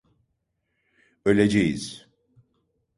Öleceğiz!